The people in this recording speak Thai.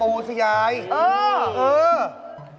นี่ยายเอง